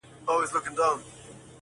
• سپي ویله دا قاضي هوښیار انسان دی..